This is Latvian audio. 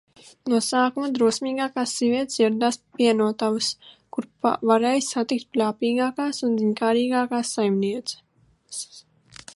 No sākuma drosmīgākās sievietes ieradās pie pienotavas, kur varēja satikt pļāpīgākās un ziņkārīgākās saimnieces.